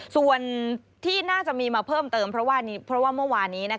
ส่วนที่น่าจะมีมาเพิ่มเติมเพราะว่าเมื่อวานนี้